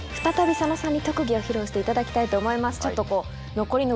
再び佐野さんに特技を披露していただきたいと思います。